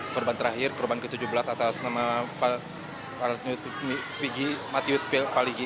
korban terakhir korban ke tujuh belas atas nama pak lusus migi matius pil pak ligi